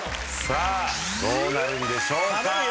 さあどうなるんでしょうか。